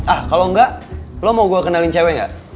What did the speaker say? ah kalau enggak lo mau gue kenalin cewek gak